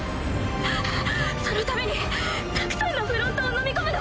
はぁはぁそのためにたくさんのフロントを飲み込むの？